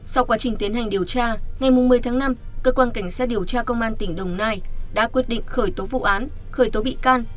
sau quá trình tiến hành điều tra ngày một mươi tháng năm cơ quan cảnh sát điều tra công an tỉnh đồng nai đã quyết định khởi tố vụ án khởi tố bị can